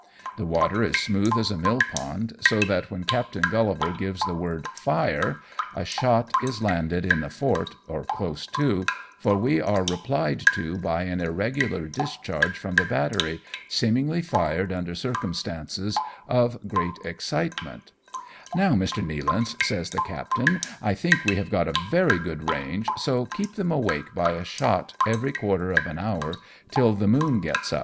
The water is smooth as a millpond, so that when Captain GuUivar gives the word "fire," a shot is landed in the fort or close to, for we are replied to by an irregular discharge from the battery, seemingly fired under circumstances of great excitement " Now, Mr. Nealance," says the captain, " I think we have got a very good range, so keep them awake by a shot every quarter of an hour till the moon gets 30 AMONG TYPHOONS AND PIRATE CRAFT.